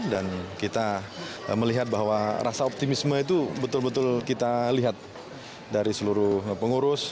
dan kita melihat bahwa rasa optimisme itu betul betul kita lihat dari seluruh pengurus